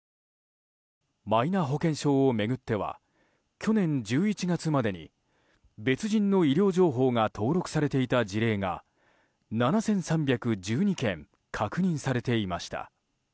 マイナ保険証を巡っては去年１１月までに別人の医療情報が登録されていた事例が７３１２件確認されていました。